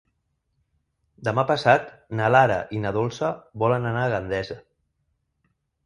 Demà passat na Lara i na Dolça volen anar a Gandesa.